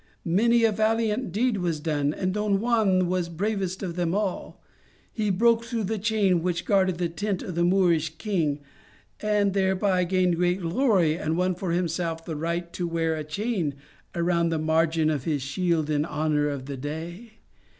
Many a valiant deed was done, and Don Juan was bravest of them all. He broke through the chain which guarded the tent of the Moorish king, and thereby gained great glory and won for himself the right to wear a chain around A Tertulia 1 1 1 the margin of his shield in honour of the day.